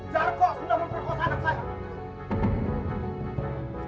jarko sudah memperkuat anak saya